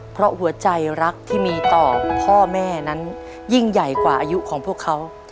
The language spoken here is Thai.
เพราะหัวใจรักที่มีต่อพ่อแม่นั้นยิ่งใหญ่กว่าอายุของพวกเขา